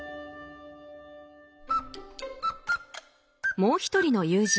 もう一人の友人Ｃ君。